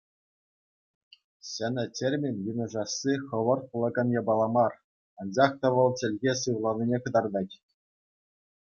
Ҫӗнӗ термин йышӑнасси хӑвӑрт пулакан япала мар, анчах та вӑл чӗлхе сывланине кӑтартать.